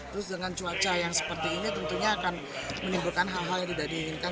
terus dengan cuaca yang seperti ini tentunya akan menimbulkan hal hal yang tidak diinginkan